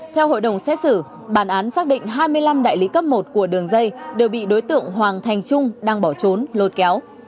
theo hội đồng xét xử bàn án xác định hai mươi năm đại lý cấp một của đường dây đều bị đối tượng hoàng thành trung đang bỏ trốn lôi kéo